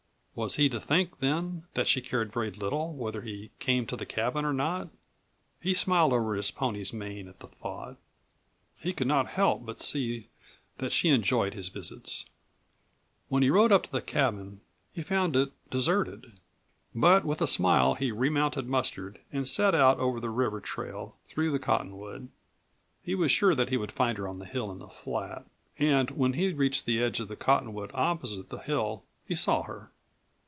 Was he to think then that she cared very little whether he came to the cabin or not? He smiled over his pony's mane at the thought. He could not help but see that she enjoyed his visits. When he rode up to the cabin he found it deserted, but with a smile he remounted Mustard and set out over the river trail, through the cottonwood. He was sure that he would find her on the hill in the flat, and when he had reached the edge of the cottonwood opposite the hill he saw her.